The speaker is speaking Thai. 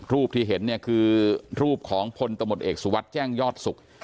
รูปที่เห็นเนี่ยคือรูปของพลตมติเอกสุวัสดิ์แจ้งยอดสุข